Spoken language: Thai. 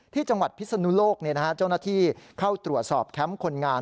ที่จังหวัดพิศนุโลกเจ้าหน้าที่เข้าตรวจสอบแคมป์คนงาน